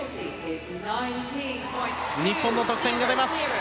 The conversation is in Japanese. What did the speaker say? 日本の得点が出ます。